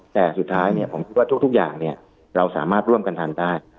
แต่สุดท้ายผมคิดว่าทุกอย่างเราสามารถร่วมกันทำได้